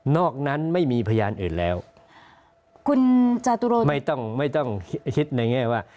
นอกนั้นไม่มีพยานอื่นแล้วไม่ต้องคิดในแง่ว่า